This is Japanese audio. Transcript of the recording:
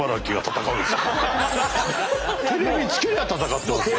テレビつけりゃ戦ってますから。